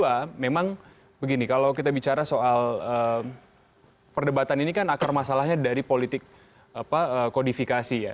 yang kedua memang begini kalau kita bicara soal perdebatan ini kan akar masalahnya dari politik kodifikasi ya